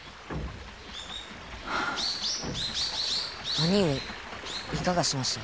兄上いかがしました？